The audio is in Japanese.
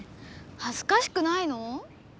はずかしくないの？